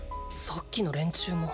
さっきの連中も。